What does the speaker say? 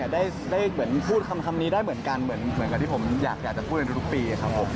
ได้เหมือนพูดคำนี้ได้เหมือนกันเหมือนกับที่ผมอยากจะพูดในทุกปีครับผม